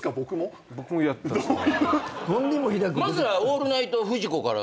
まずは『オールナイトフジコ』から。